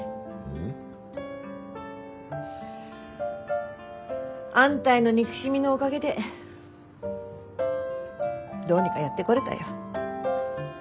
ん？あんたへの憎しみのおかげでどうにかやってこれたよ。